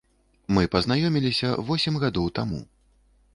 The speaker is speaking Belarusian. Мы пазнаёміліся восем гадоў таму.